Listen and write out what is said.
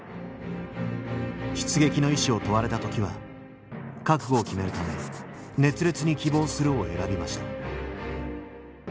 出撃の意思を問われた時は覚悟を決めるため「熱烈に希望する」を選びました。